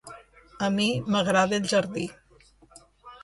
A mi m’agrada el jardí.